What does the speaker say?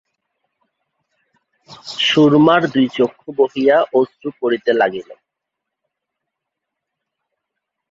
সুরমার দুই চক্ষু বহিয়া অশ্রু পড়িতে লাগল।